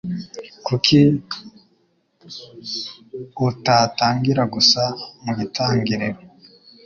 Kuki utatangira gusa mugitangiriro?